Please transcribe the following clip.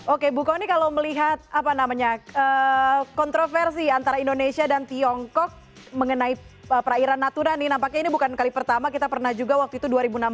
oke bu kony kalau melihat kontroversi antara indonesia dan tiongkok mengenai perairan natuna nih nampaknya ini bukan kali pertama kita pernah juga waktu itu dua ribu enam belas